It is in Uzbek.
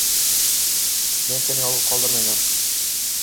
— Men seni yolg‘iz qoldirmayman.